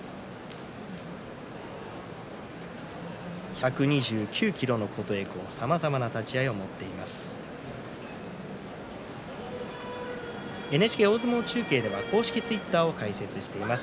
１２９ｋｇの琴恵光、さまざまな立ち合いを持っています。